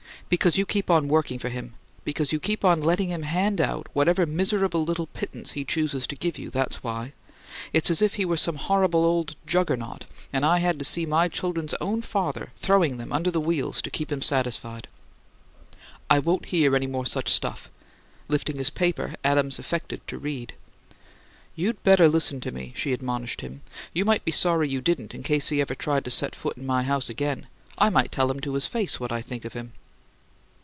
"Because you keep on working for him! Because you keep on letting him hand out whatever miserable little pittance he chooses to give you; that's why! It's as if he were some horrible old Juggernaut and I had to see my children's own father throwing them under the wheels to keep him satisfied." "I won't hear any more such stuff!" Lifting his paper, Adams affected to read. "You'd better listen to me," she admonished him. "You might be sorry you didn't, in case he ever tried to set foot in my house again! I might tell him to his face what I think of him."